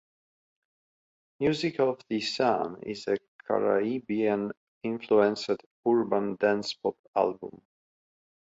"Music of the Sun" is a Caribbean-influenced, urban dance-pop album.